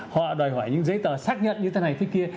họ đòi hỏi những giấy tờ xác nhận như thế này thế kia